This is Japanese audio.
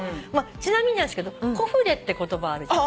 ちなみになんですけど「コフレ」って言葉あるじゃない。